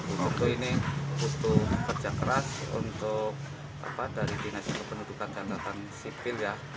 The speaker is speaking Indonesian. untuk ini butuh kerja keras untuk dari dinasir pendudukan dan datang sipil